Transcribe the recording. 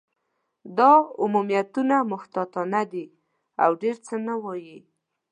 دا عمومیتونه محتاطانه دي، او ډېر څه نه وايي.